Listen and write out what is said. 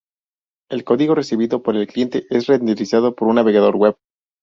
El código recibido por el cliente es renderizado por un navegador web.